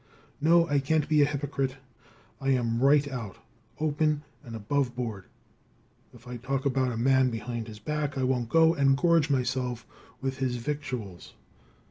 No, I can't be a hypocrite. I am right out, open and above board. If I talk about a man behind his back, I won't go and gorge myself with his victuals.